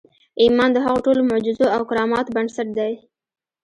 ایمان د هغو ټولو معجزو او کراماتو بنسټ دی